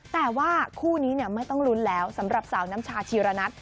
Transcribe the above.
แต่ว่าคู่นี้ไม่ต้องลุ้นแล้วสำหรับสาวน้ำชาชีระนัท